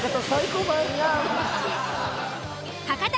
博多